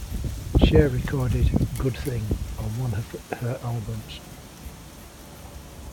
Cher recorded "Good Thing" on one of her albums.